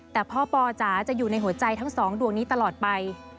แต่พ่อปอจ๋าจะอยู่ในหัวใจทั้งสองดวงนี้ตลอดไป